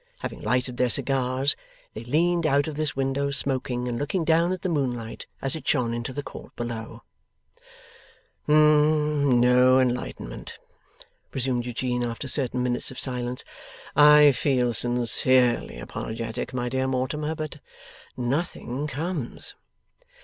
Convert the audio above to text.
Having lighted their cigars, they leaned out of this window, smoking, and looking down at the moonlight, as it shone into the court below. 'No enlightenment,' resumed Eugene, after certain minutes of silence. 'I feel sincerely apologetic, my dear Mortimer, but nothing comes.